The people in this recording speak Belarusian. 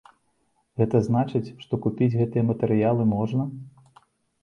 Гэта значыць, што купіць гэтыя матэрыялы можна?